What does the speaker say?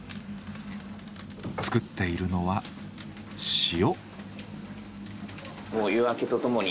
作っているのは塩。